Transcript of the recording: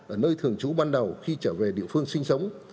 ở nơi thường trú ban đầu khi trở về địa phương sinh sống